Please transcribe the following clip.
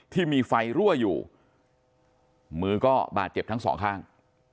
ที่มีไฟรั่วอยู่มือก็บาดเจ็บทั้งสองข้าง